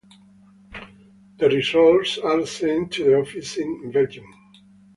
The results are sent to the office in Belgium.